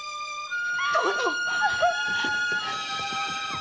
殿！